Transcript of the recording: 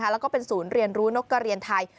และเป็นศูนย์เรียนรู้นกเกอเรียนไทย